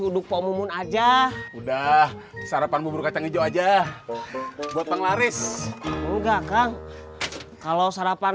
uduk pomun aja udah sarapan bubur kacang hijau aja buat penglaris enggak kang kalau sarapan